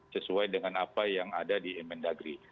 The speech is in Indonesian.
sesuai dengan apa yang ada di mn dagri